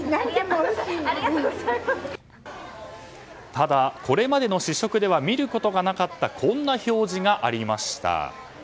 ただ、これまでの試食では見ることがなかったこんな表示がありました。